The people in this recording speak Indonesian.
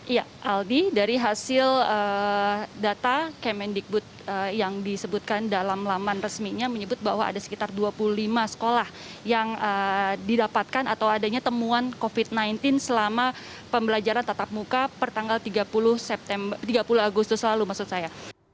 ya aldi dari hasil data kemendikbud yang disebutkan dalam laman resminya menyebut bahwa ada sekitar dua puluh lima sekolah yang didapatkan atau adanya temuan covid sembilan belas selama pembelajaran tatap muka pertanggal tiga puluh agustus lalu maksud saya